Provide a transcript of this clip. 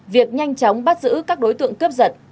việc nhanh chóng bắt giữ các đối tượng cướp giật